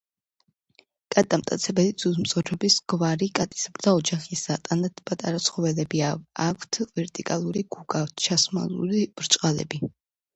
კატა მტაცებელი ძუძუმწოვრების გვარი კატისებრთა ოჯახისა. ტანად პატარა ცხოველებია. აქვთ ვერტიკალური გუგა, ჩამალული ბრჭყალები.